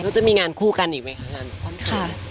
แล้วจะมีงานคู่กันอีกไหมคะ